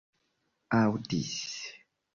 aŭdis